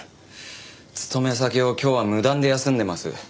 勤め先を今日は無断で休んでます。